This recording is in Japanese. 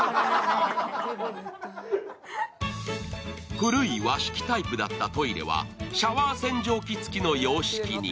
古い和式タイプだったトイレはシャワー洗浄器付きの洋式に。